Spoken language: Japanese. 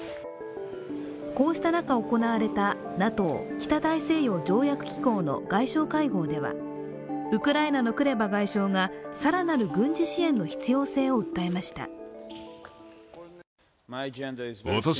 こうした中、行われたＮＡＴＯ＝北大西洋条約機構の外相会合ではウクライナのクレバ外相が更なる軍事支援の必要性を訴えました。